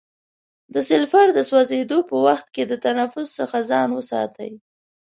د سلفر د سوځیدو په وخت کې د تنفس څخه ځان وساتئ.